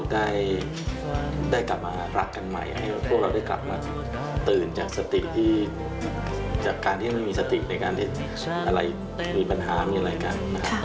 ให้เราได้กลับมารักกันใหม่ให้พวกเราได้กลับมาตื่นจากสติจากการที่ไม่มีสติในการที่มีปัญหามีอะไรกัน